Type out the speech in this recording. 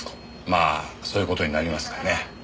まあそういう事になりますかね。